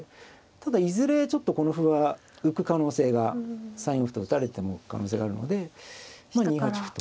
ただいずれちょっとこの歩は浮く可能性が３四歩と打たれても可能性があるので２八歩と。